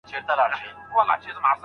الله تعالی چاته زامن او لوڼي ورکوي.